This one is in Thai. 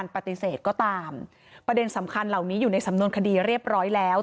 ประเด็นสำคัญเหล่านี้อยู่ในสำนวนคดีเรียบร้อยแล้ว